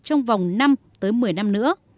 trong vòng năm tới một mươi năm nữa